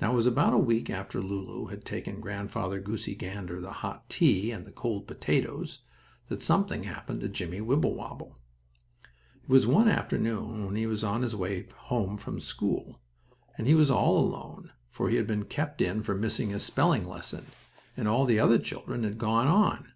Now it was about a week after Lulu had taken Grandfather Goosey Gander the hot tea and the cold potatoes, that something happened to Jimmie Wibblewobble. It was one afternoon when he was on his way home from school, and he was all alone, for he had been kept in for missing his spelling lesson, and all the other children had gone on.